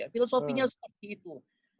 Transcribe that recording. filosofinya seperti itu